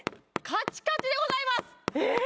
カチカチでございますえっ？